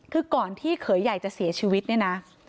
คือก่อนที่เขยใหญ่จะเสียชีวิตเนี่ยนะ